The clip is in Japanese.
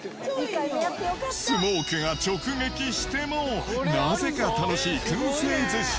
スモークが直撃してもなぜか楽しいくん製寿司。